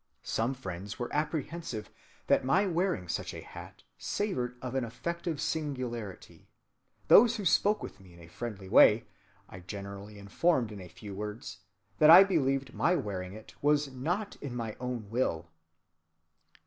Some friends were apprehensive that my wearing such a hat savored of an affected singularity: those who spoke with me in a friendly way, I generally informed in a few words, that I believed my wearing it was not in my own will."